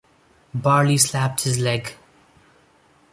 Barley slapped his leg.